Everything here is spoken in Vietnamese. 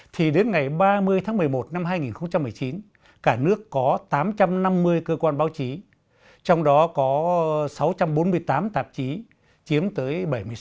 thì đến ngày ba mươi tháng một mươi một năm hai nghìn một mươi chín cả nước có tám trăm năm mươi cơ quan báo chí trong đó có sáu trăm bốn mươi tám tạp chí chiếm tới bảy mươi sáu